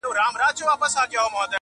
• دوه او درې ځله غوټه سو په څپو کي -